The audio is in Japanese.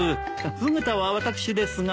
フグ田は私ですが。